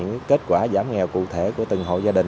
đó là những kết quả giảm nghèo cụ thể của từng hộ gia đình